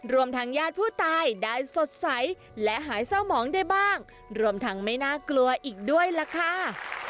รวมทางญาติผู้ตายได้สดใสและหายเศร้าหมองได้บ้างรวมทั้งไม่น่ากลัวอีกด้วยล่ะค่ะ